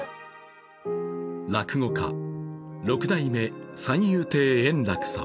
落語家、六代目三遊亭円楽さん。